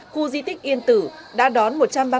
khu di tích yên tử đã đón